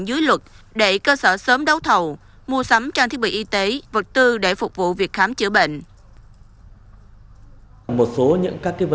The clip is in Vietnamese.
dưới luật để cơ sở sớm đấu thầu mua sắm trang thiết bị y tế vật tư để phục vụ việc khám chữa bệnh